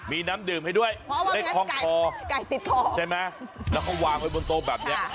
มีน้ำดื่มให้ด้วยเพราะว่ามันกล้องคอไก่ติดคอใช่ไหมแล้วเขาวางไว้บนโต๊ะแบบเนี้ยค่ะ